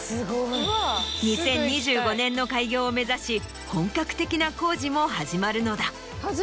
２０２５年の開業を目指し本格的な工事も始まるのだ。